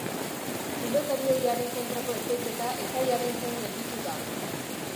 Pilotari ohiaren kontrako epaiketa epaiaren zain gelditu da.